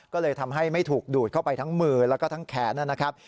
ก็เลยทำให้ไม่ถูกดูดเข้าไปทั้งมือแล้วก็ทั้งแขนนะครับ